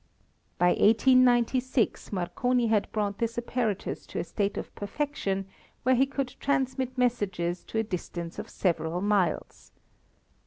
By 1896 Marconi had brought this apparatus to a state of perfection where he could transmit messages to a distance of several miles.